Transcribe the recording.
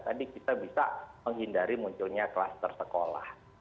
jadi kita bisa menghindari munculnya klaster sekolah